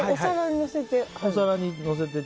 お皿にのせて？